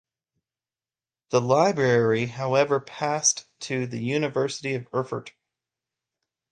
Its library however passed to the University of Erfurt.